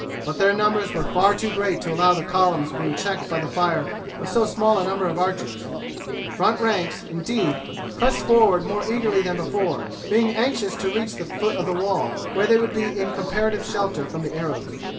But their numbers were far too great to allow the columns being checked by the fire of so small a number of archers; the front ranks, indeed, pressed forward more eagerly than before, being anxious to reach the foot of the wall, where they would be in comparative shelter from the arrows.